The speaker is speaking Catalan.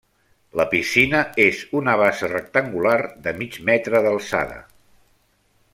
La piscina és una bassa rectangular de mig metre d'alçada.